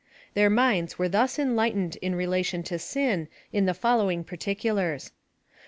Their minds were thus enlightened in relation to sin in the following particulars.